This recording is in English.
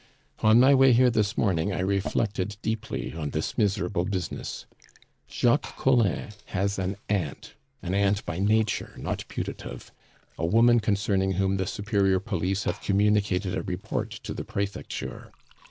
"On my way here this morning I reflected deeply on this miserable business. Jacques Collin has an aunt an aunt by nature, not putative a woman concerning whom the superior police have communicated a report to the Prefecture.